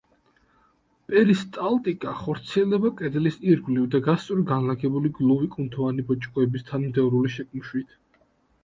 პერისტალტიკა ხორციელდება კედლის ირგვლივ და გასწვრივ განლაგებული გლუვი კუნთოვანი ბოჭკოების თანმიმდევრული შეკუმშვით.